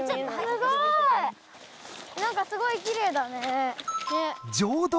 なんかすごいきれいだね。